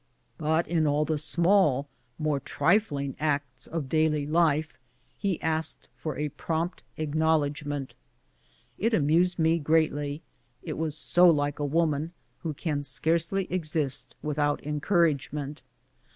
In all the smaller, more trifling acts of daily life he asked for a prompt acknowledgment. It amused me greatly, it was so like a woman, who can scarcely exist without encouragement.